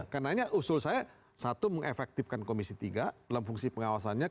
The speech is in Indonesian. karena ini usul saya satu mengefektifkan komisi tiga dalam fungsi pengawasannya